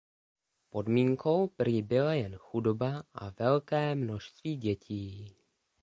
Podmínkou prý byla jen chudoba a velké množství dětí.